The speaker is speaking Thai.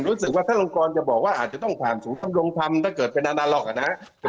รู้สึกว่าท่านลงกรจะบอกว่าอาจจะต้องผ่านสูตรกรงพรรมถ้าเกิดไปนานหรอกนะ